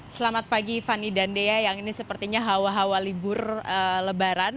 selamat pagi fani dan dea yang ini sepertinya hawa hawa libur lebaran